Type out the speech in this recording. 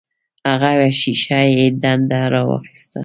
هغه یوه شیشه یي ډنډه راواخیسته.